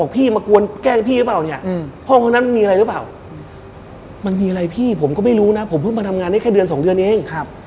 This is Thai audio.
ผมก็ไม่รู้นะผมเพิ่งมาทำงานได้แค่เดือน๒เดือนเอง